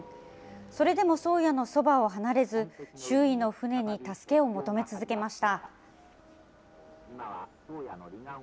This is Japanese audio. それでも宗谷のそばを離れず、周囲の船に助けを求め続けました。